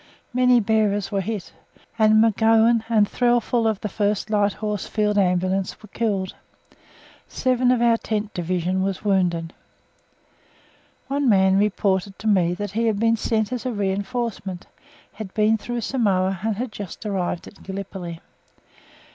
Many bearers were hit, and McGowen and Threlfall of the 1st Light Horse Field Ambulance were killed. Seven of our tent division were wounded. One man reported to me that he had been sent as a reinforcement, had been through Samoa, and had just arrived in Gallipoli.